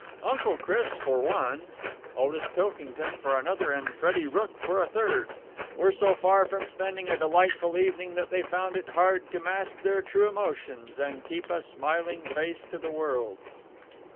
Uncle Chris, for one; Otis Pilkington, for another, and Freddie Rooke, for a third, were so far from spending a delightful evening that they found it hard to mask their true emotions and keep a smiling face to the world.